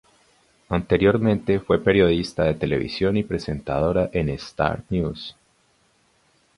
Anteriormente fue periodista de televisión y presentadora en Star News.